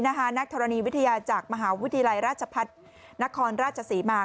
นักธรณีวิทยาจากมหาวิทยาลัยราชพัฒนครราชศรีมา